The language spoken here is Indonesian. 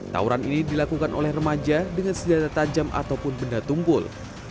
tawuran ini dilakukan oleh remaja dengan senjata tajam ataupun benda tumpul